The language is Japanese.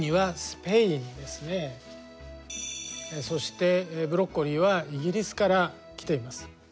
そしてブロッコリーはイギリスから来ています。